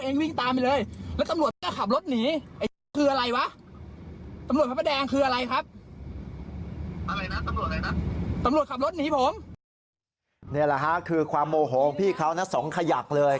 นี่แหละค่ะคือความโมโหของพี่เขานะสองขยักเลย